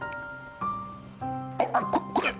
あっここれ！